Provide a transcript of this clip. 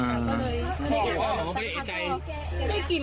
มันได้ยินเสียง